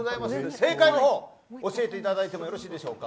正解を教えていただいてもよろしいでしょうか。